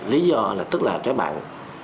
lý do là tức là các bạn